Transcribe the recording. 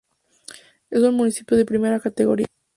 Es un municipio de primera categoría.